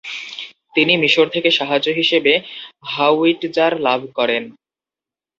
তিনি মিশর থেকে সাহায্য হিসেবে হাউইটজার লাভ করেন।